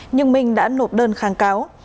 nhưng minh đã nộp đơn kháng cáo